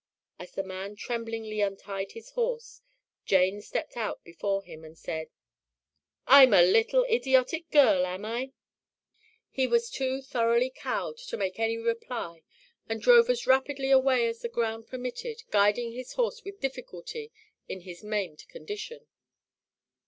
As the man tremblingly untied his horse, Jane stepped out before him and said, "I'm a little idiotic girl, am I?" He was too thoroughly cowed to make any reply and drove as rapidly away as the ground permitted, guiding his horse with difficulty in his maimed condition.